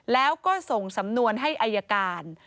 แล้วก็ส่งสำนวนให้อายการ